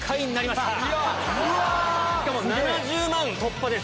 しかも７０万突破です。